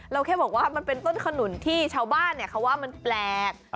แค่บอกว่ามันเป็นต้นขนุนที่ชาวบ้านเขาว่ามันแปลก